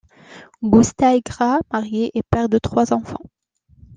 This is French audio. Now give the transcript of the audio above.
Gusty Graas, marié, est père de trois enfants.